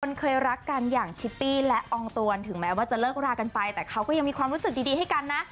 คนเคยรักกันอย่างชิปปี้และอองตวนถึงแม้ว่าจะเลิกรากันไปแต่เขาก็ยังมีความรู้สึกดีให้กันนะ